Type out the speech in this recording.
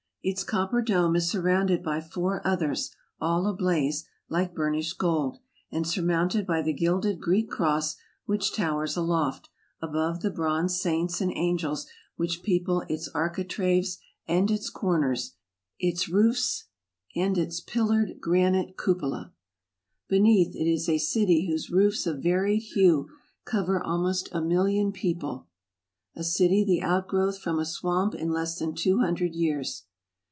Its copper dome is sur rounded by four others, all ablaze, like burnished gold, and surmounted by the gilded Greek cross which towers aloft, above the bronze saints and angels which people its archi traves and its corners, its roofs and its pillared granite cupola! Beneath it is a city whose roofs of varied hue cover almost a million of people ; a city the outgrowth from a swamp in less than two hundred years.